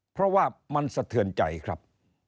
เพราะว่ามันสะเทือนใจครับ